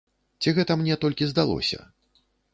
Ці гэта мне толькі здалося?